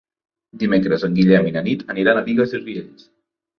Dimecres en Guillem i na Nit aniran a Bigues i Riells.